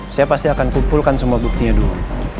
saya pasti akan kumpulkan semua buktinya dulu